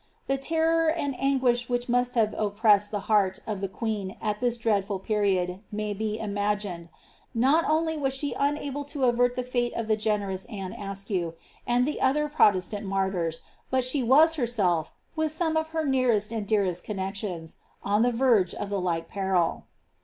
The terror and anguish which must have oppressed the heart of the queen at this dreadful period may be imagined. Not only was she unable to avert the (ate of the generous Anne Askew, and the other Protestant martyrs, but she was herself, with some of her nearest and deirest connexions, on the verge of the like peril.